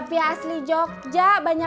saya mau ke abang